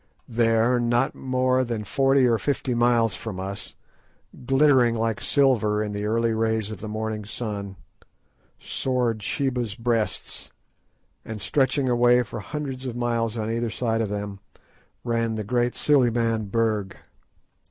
There, not more than forty or fifty miles from us, glittering like silver in the early rays of the morning sun, soared Sheba's Breasts; and stretching away for hundreds of miles on either side of them ran the great Suliman Berg.